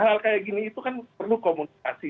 hal hal kayak gini itu kan perlu komunikasi